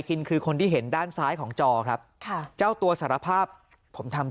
กินคือคนที่เห็นด้านซ้ายของจอครับค่ะเจ้าตัวสารภาพผมทำ